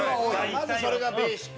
まず、それがベーシック。